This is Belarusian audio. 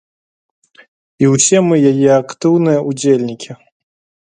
І ўсе мы яе актыўныя ўдзельнікі.